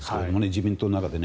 自民党の中で。